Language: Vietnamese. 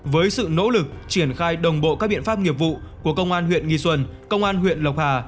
với sự nỗ lực triển khai đồng bộ các biện pháp nghiệp vụ của công an huyện nghi xuân công an huyện lộc hà